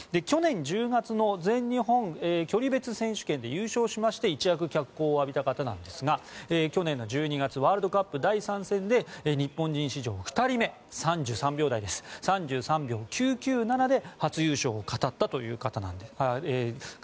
去年１０月の全日本距離別選手権で優勝しまして一躍脚光を浴びた方なんですが去年の１２月ワールドカップ第３戦で日本人史上２人目３３秒台の３３秒９９７で初優勝を飾ったという方です。